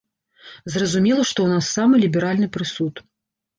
Зразумела, што ў нас самы ліберальны прысуд.